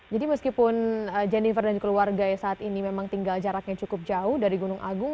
jadi meskipun jennifer dan keluarga saat ini memang tinggal jaraknya cukup jauh dari gunung agung